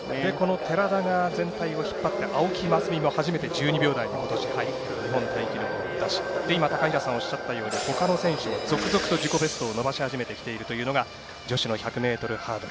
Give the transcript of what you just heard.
寺田が全体を引っ張って青木益未も初めて１２秒台に今年入って日本タイ記録を出して高平さんがおっしゃったようにほかの選手も続々と自己ベストを伸ばし始めているというのが女子の１００ｍハードル。